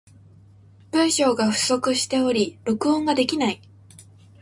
文章が不足しており、録音ができない。